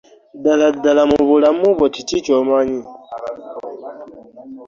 Ddala ddala mubulamu bwo kiki kyomanyi?